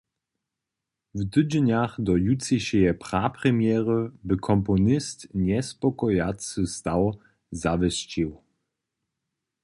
W tydźenjach do jutřišeje prapremjery bě komponist njespokojacy staw zwěsćił.